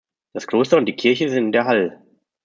Das Kloster und die Kirche sind der hl.